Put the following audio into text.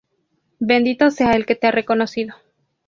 bendito sea el que te ha reconocido.